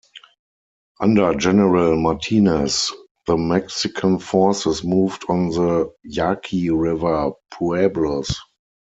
Under General Martinez, the Mexican forces moved on the Yaqui River pueblos.